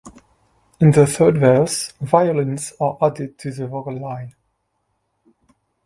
In the third verse, violins are added to the vocal line.